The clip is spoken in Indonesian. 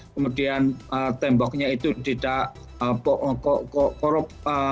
kemudian temboknya itu tidak korup korup korup korup